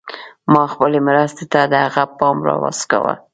ما خپلې مرستې ته د هغه پام راوڅکاوه.